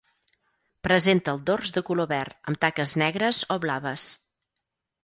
Presenta el dors de color verd, amb taques negres o blaves.